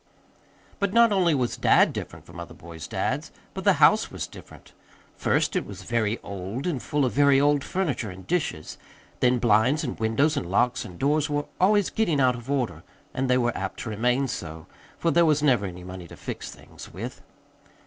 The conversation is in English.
But not only was dad different from other boys' dads, but the house was different. First it was very old, and full of very old furniture and dishes. Then blinds and windows and locks and doors were always getting out of order; and they were apt to remain so, for there was never any money to fix things with.